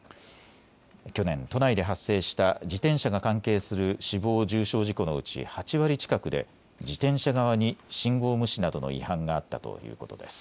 去年、都内で発生した自転車が関係する死亡・重傷事故のうち８割近くで自転車側に信号無視などの違反があったということです。